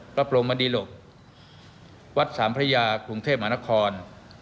พระพรมมดีหลกวัดสามพระยากรุงเทพมหานคร